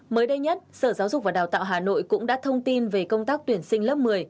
mới đây nhất sở giáo dục và đào tạo hà nội cũng đã thông tin về công tác tuyển sinh lớp một mươi